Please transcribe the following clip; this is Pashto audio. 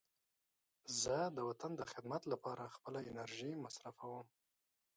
زه د وطن د خدمت لپاره خپله انرژي مصرفوم.